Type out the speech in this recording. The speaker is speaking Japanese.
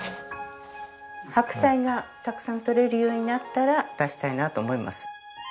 白菜がたくさん取れるようになったら出したいなと思います。